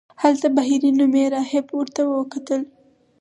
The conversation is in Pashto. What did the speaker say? هلته بهیري نومې راهب ورته وکتل.